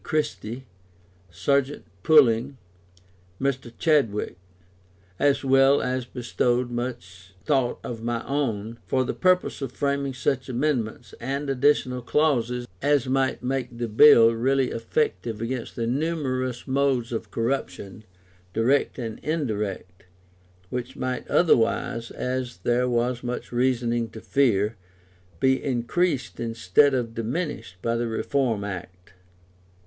Christie, Serjeant Pulling, Mr. Chadwick as well as bestowed much thought of my own, for the purpose of framing such amendments and additional clauses as might make the Bill really effective against the numerous modes of corruption, direct and indirect, which might otherwise, as there was much reason to fear, be increased instead of diminished by the Reform Act.